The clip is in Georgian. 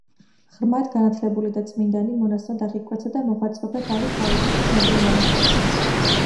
ღრმად განათლებული და წმინდანი მონაზვნად აღიკვეცა და მოღვაწეობდა დავით გარეჯის ცნობილ მონასტერში.